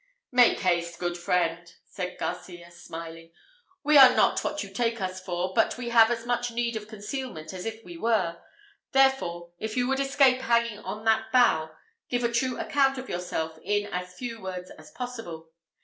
"Make haste, good friend!" cried Garcias, smiling; "we are not what you take us for, but we have as much need of concealment as if we were. Therefore, if you would escape hanging on that bough, give a true account of yourself in as few words as possible.